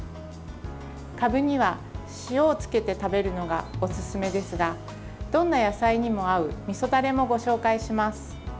かぶには塩をつけて食べるのがおすすめですがどんな野菜にも合うみそダレもご紹介します。